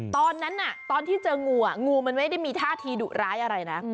ตอนนั้นตอนที่เจองูงูมันไม่ได้มีท่าทีดุร้ายอะไรนะ